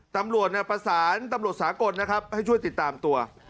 ตำรวจประสานตำรวจสากลนะครับให้ช่วยติดตามตัว